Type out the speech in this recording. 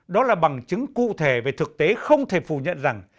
đó là bằng chứng cụ thể về thực tế không thể phủ nhận rằng